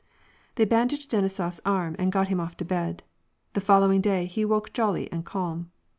They bandaged Denisof's arm, and got him off to bed. The following day he woke jolly and calm.